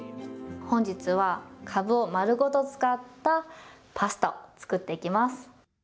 本日は、かぶをまるごと使ったパスタ、作っていきます。